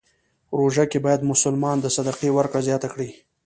روژه کې باید مسلمان د صدقې ورکړه زیاته کړی.